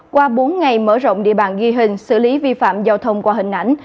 qua bốn ngày mở rộng địa bàn ghi hình xử lý vi phạm giao thông qua hình ảnh